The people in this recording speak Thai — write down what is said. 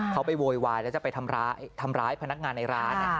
เขาไปโวยวายแล้วจะไปทำร้ายพนักงานในร้าน